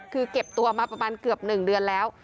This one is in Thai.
คือเก็บตัวมาประมาณเกือบ๑เดือนแล้ว